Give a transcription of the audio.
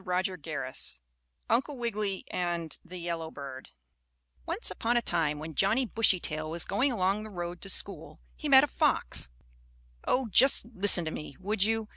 STORY IV UNCLE WIGGILY AND THE YELLOW BIRD Once upon a time, when Johnnie Bushytail was going along the road to school, he met a fox oh, just listen to me, would you!